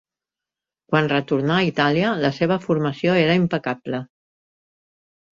Quan retornà a Itàlia, la seva formació era impecable.